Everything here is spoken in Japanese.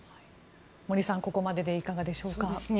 森さん、ここまででいかがでしょうか。